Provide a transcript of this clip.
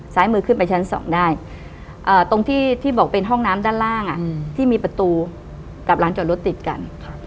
มือขึ้นไปชั้น๒ได้ตรงที่บอกเป็นห้องน้ำด้านล่างที่มีประตูกับร้านจอดรถติดกัน